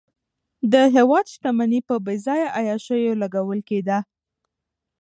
د هېواد شتمني په بېځایه عیاشیو لګول کېده.